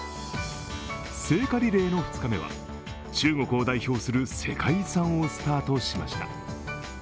聖火リレーの２日目は中国を代表する世界遺産をスタートしました。